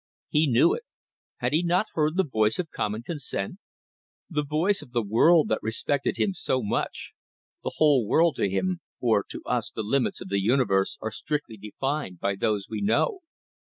He knew it. Had he not heard the voice of common consent? The voice of the world that respected him so much; the whole world to him for to us the limits of the universe are strictly defined by those we know.